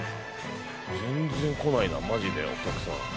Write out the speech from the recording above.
全然来ないなマジでお客さん。